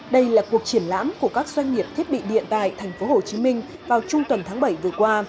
đây là cuộc triển lãm của các doanh nghiệp thiết bị điện tại tp hcm vào trung tuần tháng bảy vừa qua